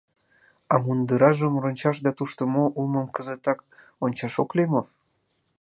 — А мундыражым рончаш да тушто мо улмым кызытак ончаш ок лий мо?